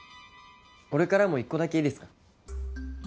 俺からも１個だけいいですか？